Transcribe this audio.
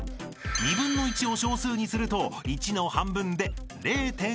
［２分の１を小数にすると１の半分で０．５］